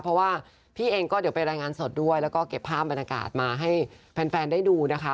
เพราะว่าพี่เองก็เดี๋ยวไปรายงานสดด้วยแล้วก็เก็บภาพบรรยากาศมาให้แฟนได้ดูนะคะ